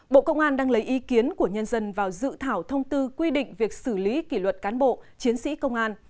bộ công an đang lấy ý kiến của nhân dân vào dự thảo thông tư quy định việc xử lý kỷ luật cán bộ chiến sĩ công an